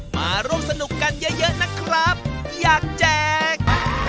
มาลงสนุกกันเยอะนะครับอยากแจ้ง